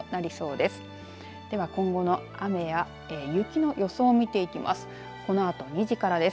では今後の雨や雪の予想を見ていきます。